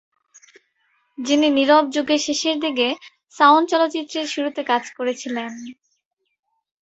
যিনি নীরব যুগের শেষের দিকে সাউন্ড চলচ্চিত্রের শুরুতে কাজ করেছিলেন।